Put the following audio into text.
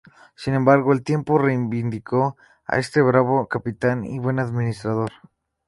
Sin embargo, el tiempo reivindicó a este bravo capitán y buen administrador.